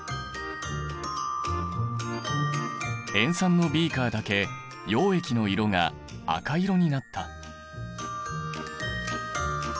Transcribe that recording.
塩酸のビーカーだけ溶液の色が赤色になった。